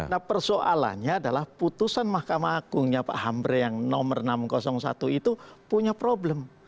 nah persoalannya adalah putusan mahkamah agungnya pak hamre yang nomor enam ratus satu itu punya problem